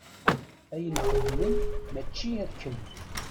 Ayen yexdem mačči akken.